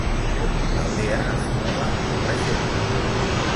L’Aldea es troba al Baix Ebre